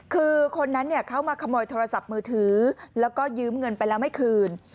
คือคนนั้นเข้ามาขโมยโทรศัพท์มือถือแล้วก็ยืมเงินไปแล้วไม่คืน